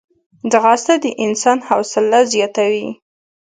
ځغاسته د انسان حوصله زیاتوي